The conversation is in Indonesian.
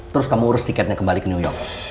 terus kamu urus tiketnya kembali ke new york